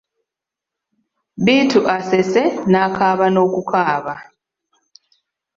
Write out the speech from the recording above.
Bittu asese n'akaaba n'okukaaba.